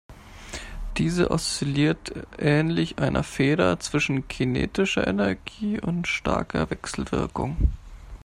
Diese oszilliert ähnlich einer Feder zwischen kinetischer Energie und starker Wechselwirkung.